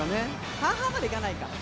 半々まで行かないか。